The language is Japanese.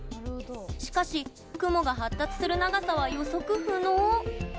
しかし、雲が発達する長さは予測不能。